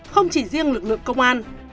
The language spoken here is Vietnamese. không chỉ riêng lực lượng công an